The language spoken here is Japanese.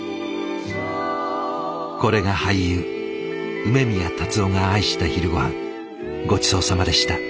これが俳優梅宮辰夫が愛した昼ごはんごちそうさまでした。